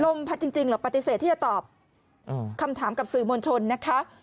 พัดจริงเหรอปฏิเสธที่จะตอบคำถามกับสื่อมวลชนนะคะ